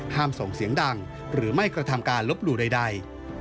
ส่งเสียงดังหรือไม่กระทำการลบหลู่ใด